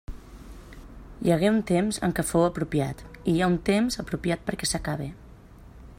Hi hagué un temps en què fou apropiat, i hi ha un temps apropiat perquè s'acabe.